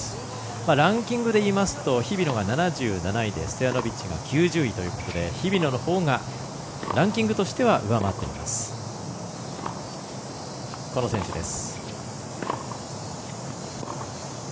ランキングでいいますと日比野が７７位でストヤノビッチが９０位ということで日比野のほうがランキングとしては上回っています。